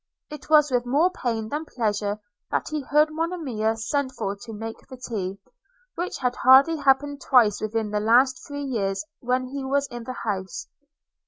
It was with more pain than pleasure that he heard Monimia sent for to make the tea, which had hardly happened twice within the last three years when he was in the house.